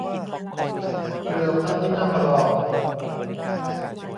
เรือพระที่นั่งรอง